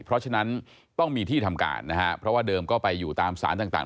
เพราะฉะนั้นต้องมีที่ทำการนะฮะเพราะว่าเดิมก็ไปอยู่ตามสารต่าง